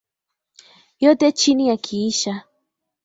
Yote chini yakiisha.